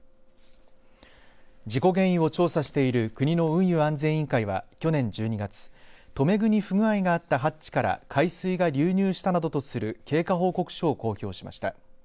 事故原因を調査している国の運輸安全委員会は去年１２月留め具に不具合があったハッチから海水が流入したなどとする経過報告書を公表しました。